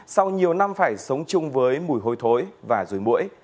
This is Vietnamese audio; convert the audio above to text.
sau nhiều năm phải sống chung với mùi hôi thối và rùi mũi